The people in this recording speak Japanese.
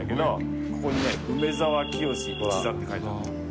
ここにね「梅澤清一座」って書いてある。